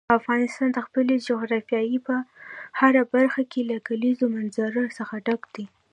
افغانستان د خپلې جغرافیې په هره برخه کې له کلیزو منظره څخه ډک دی.